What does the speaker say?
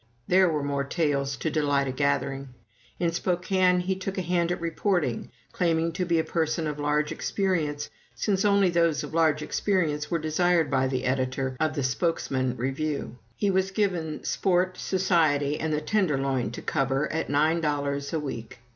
There were more tales to delight a gathering. In Spokane he took a hand at reporting, claiming to be a person of large experience, since only those of large experience were desired by the editor of the "Spokesman Review." He was given sport, society, and the tenderloin to cover, at nine dollars a week.